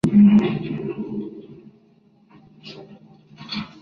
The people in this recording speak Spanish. La proposición se aprobó, siendo aclamada, y en la misma se encontraba Rajoy.